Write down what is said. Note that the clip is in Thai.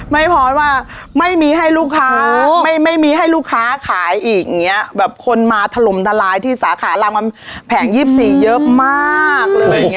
ไม่พอว่าไม่มีให้ลูกค้าไม่ไม่มีให้ลูกค้าขายอีกเนี้ยแบบคนมาถล่มทะลายที่สาขาลามแผงยี่สิบสี่เยอะมากเลย